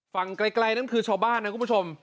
ไกลนั่นคือชาวบ้านนะคุณผู้ชม